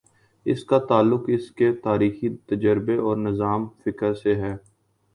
اس کا تعلق اس کے تاریخی تجربے اور نظام فکر سے ہے۔